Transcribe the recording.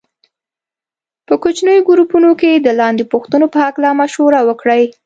په کوچنیو ګروپونو کې د لاندې پوښتنې په هکله مشوره وکړئ.